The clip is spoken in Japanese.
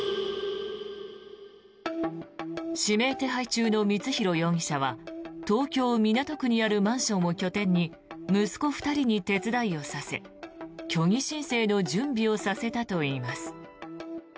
指名手配中の光弘容疑者は東京・港区にあるマンションを拠点に息子２人に手伝いをさせ虚偽申請の準備をさせたといいます。